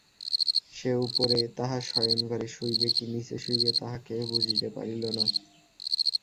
সে উপরে তাহার শয়নঘরে শুইবে কি নীচে শুইবে তাহা কেহ বুঝিতে পারিল না।